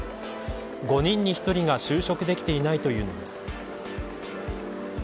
５人に１人が就職できていないというのです。